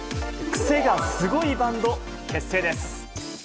クセがすごいバンド結成です。